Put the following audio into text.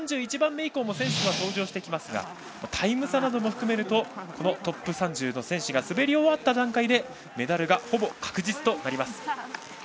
３１番目以降も選手が登場してきますがタイム差なども含めるとトップ３０の選手が滑り終わった段階でメダルがほぼ確実となります。